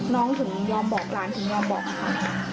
น้องถึงยอมบอกหลานถึงยอมบอกค่ะ